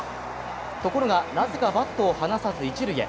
ところが、なぜかバットを離さず一塁へ。